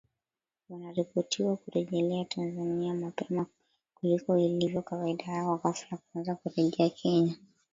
wanaripotiwa kurejea Tanzania mapema kuliko ilivyo kawaida yao ghafla kuanza kurejea Kenya